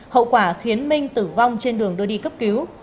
hậu quả khiến minh tử vong trên đường đưa đi cấp cứu